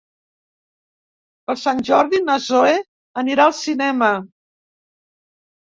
Per Sant Jordi na Zoè anirà al cinema.